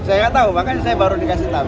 saya nggak tahu bahkan saya baru dikasih tahu